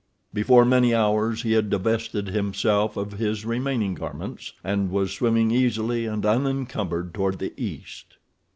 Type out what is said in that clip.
Before many hours he had divested himself of his remaining garments, and was swimming easily and unencumbered toward the east.